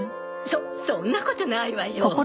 そそんなことないわよ。